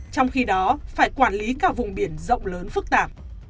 trong khi đó phải quản lý các vùng biển rộng lớn phức tạp